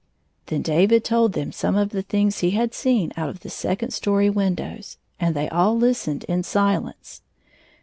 Then David told them some of the things he had seen out of the second story windows, and they all Hstened in silence.